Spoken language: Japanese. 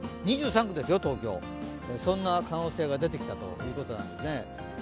東京２３区ですよ、そんな可能性が出てきたということなんですね。